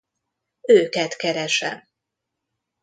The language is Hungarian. Őket keresem.